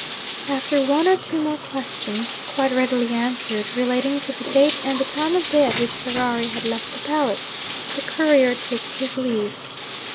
After one or two more questions (quite readily answered) relating to the date and the time of day at which Ferrari had left the palace, the courier took his leave.